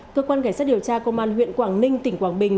cơ quan cảnh sát điều tra công an huyện quảng ninh tỉnh quảng bình